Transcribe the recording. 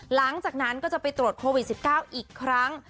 หลังจากนั้นก็จะไปตรวจโควิด๑๙อีกครั้ง